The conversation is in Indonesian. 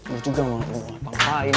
gua juga ga mau ngapain